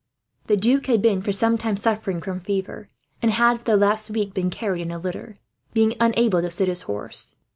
The Duc had been for some time suffering from fever; and had, for the last week, been carried in a litter, being unable to sit his horse.